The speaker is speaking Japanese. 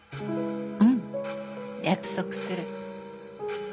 うん。約束する。